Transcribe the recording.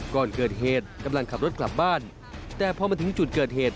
ก่อนเกิดเหตุกำลังขับรถกลับบ้านแต่พอมาถึงจุดเกิดเหตุ